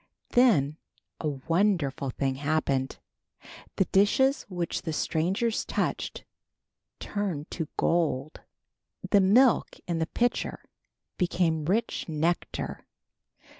Then a wonderful thing happened. The dishes which the strangers touched turned to gold. The milk in the pitcher became rich nectar.